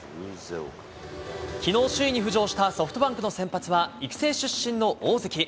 きのう、首位に浮上したソフトバンクの先発は、育成出身の大関。